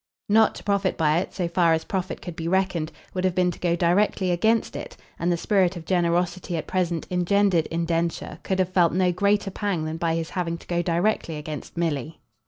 Not to profit by it, so far as profit could be reckoned, would have been to go directly against it; and the spirit of generosity at present engendered in Densher could have felt no greater pang than by his having to go directly against Milly.